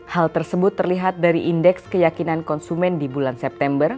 hal tersebut terlihat dari indeks keyakinan konsumen di bulan september